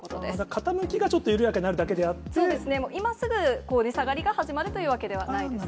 傾きがちょっと緩やかになるそうですね、今すぐ値下がりが始まるというわけではないですね。